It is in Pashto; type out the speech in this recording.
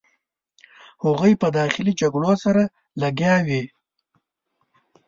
هغوی په داخلي جګړو سره لګیا وې.